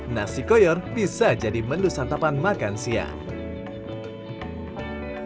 nasi koyor bisa jadi menu santapan makan siang